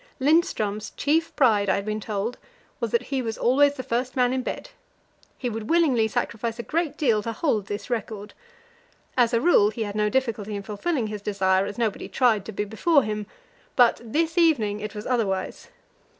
Lindström's chief pride, I had been told, was that he was always the first man in bed; he would willingly sacrifice a great deal to hold this record. As a rule, he had no difficulty in fulfilling his desire, as nobody tried to be before him; but this evening it was otherwise.